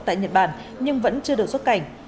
tại nhật bản nhưng vẫn chưa được xuất cảnh